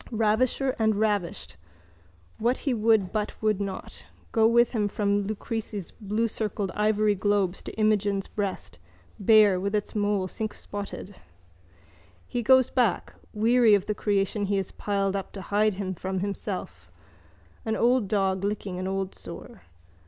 Ravisher and ravished, what he would but would not, go with him from Lucrece's bluecircled ivory globes to Imogen's breast, bare, with its mole cinquespotted. He goes back, weary of the creation he has piled up to hide him from himself, an old dog licking an old sore.